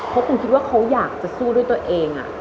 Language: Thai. เพราะคุณคิดว่าเขาอยากจะสู้ด้วยตัวเอง